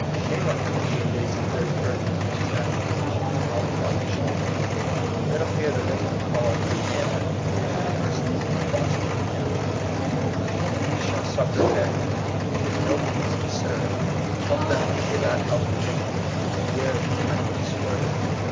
Shame on him if he evades the very burdens which his happy position has brought upon his shoulders! Let him hear the ringing call to his manhood from Emerson's ^^ Boston Hymn :"— Axid ye shall succor men; ^Tls nobleness to serve Help them who cannot help again; Beware from right to swerve."